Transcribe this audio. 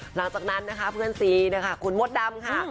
หลังจากนั้นนะคะเพื่อนซีนะคะคุณมดดำค่ะ